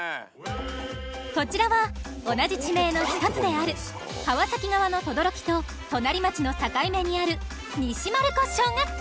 こちらは同じ地名の１つである川崎側の等々力と隣町の境目にある西丸子